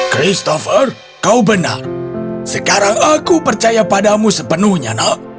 christopher kau benar sekarang aku percaya padamu sepenuhnya nak